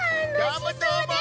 どーもどーも！